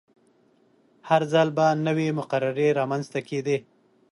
هر ځل به نوې مقررې رامنځته کیدې.